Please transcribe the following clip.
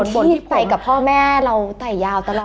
ที่ใส่กับพ่อแม่เราไต่ยาวตลอด